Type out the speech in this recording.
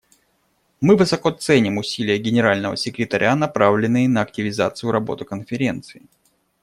Мы высоко ценим усилия Генерального секретаря, направленные на активизацию работы Конференции.